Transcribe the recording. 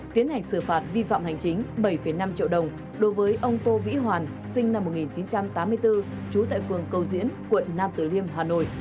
tiến hành xử phạt vi phạm hành chính bảy năm triệu đồng đối với ông tô vĩ hoàn sinh năm một nghìn chín trăm tám mươi bốn trú tại phường cầu diễn quận nam tử liêm hà nội